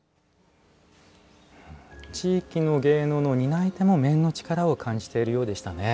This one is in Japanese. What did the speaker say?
地域の芸能の担い手も面の力を感じているようでしたね。